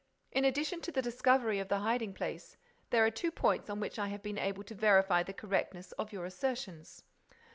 "In addition to the discovery of the hiding place, there are two points on which I have been able to verify the correctness of your assertions.